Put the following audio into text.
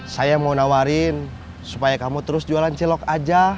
saya mau nawarin supaya kamu terus jualan cilok aja